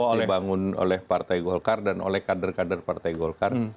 ini harus terus dibangun oleh partai golkar dan oleh kader kader partai golkar